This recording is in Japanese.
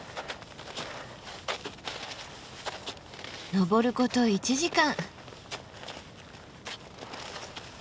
登ること１時間。